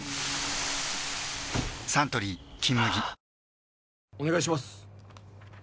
サントリー「金麦」お願いします